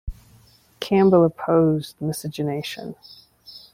Campbell opposed miscegenation.